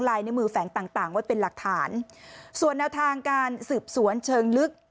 ในมือแฝงต่างต่างไว้เป็นหลักฐานส่วนแนวทางการสืบสวนเชิงลึก